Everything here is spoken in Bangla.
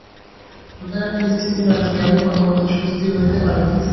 তোদের একটা স্থিতি না করিয়া আমি কোনোমতেই সুস্থির হইতে পারিতেছি না।